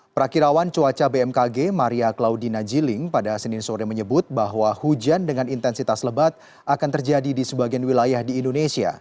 perakirawan cuaca bmkg maria claudina jiling pada senin sore menyebut bahwa hujan dengan intensitas lebat akan terjadi di sebagian wilayah di indonesia